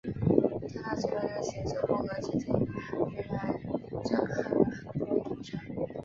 他那直白的写作风格至今仍然震撼了很多读者。